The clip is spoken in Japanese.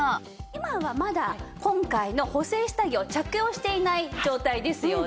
今はまだ今回の補整下着を着用していない状態ですよね。